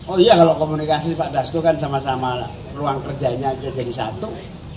oh iya kalau komunikasi pak dasko kan sama sama ruang kerjanya aja jadi satu